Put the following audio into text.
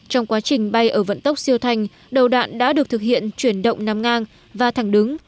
trong quá trình bay ở vận tốc siêu thanh đầu đạn đã được thực hiện chuyển động nằm ngang và thẳng đứng